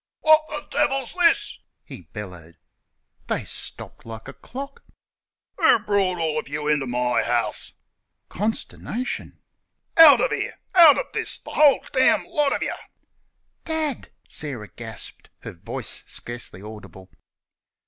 "Wot th' devil's this?" he bellowed. (They stopped like a clock.) "Who brought all you into my house?" (Consternation.) "Out of here! out o' this th' whole damn lot o' you." "Dad!" Sarah gasped, her voice scarcely audible.